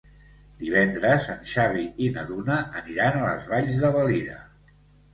Divendres en Xavi i na Duna aniran a les Valls de Valira.